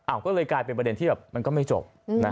ก็เลยกลายเป็นประเด็นที่แบบมันก็ไม่จบ